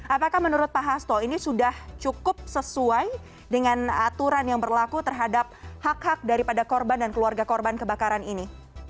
apakah menurut pak hasto ini sudah cukup sesuai dengan aturan yang berlaku terhadap hak hak daripada korban dan keluarga korban kebakaran ini